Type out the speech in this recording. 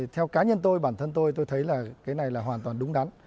theo cá nhân tôi bản thân tôi tôi thấy là cái này là hoàn toàn đúng đắn